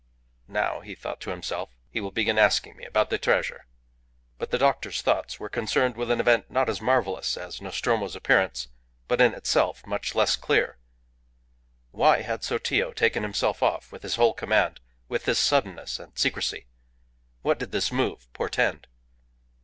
"Now," he thought to himself, "he will begin asking me about the treasure." But the doctor's thoughts were concerned with an event not as marvellous as Nostromo's appearance, but in itself much less clear. Why had Sotillo taken himself off with his whole command with this suddenness and secrecy? What did this move portend?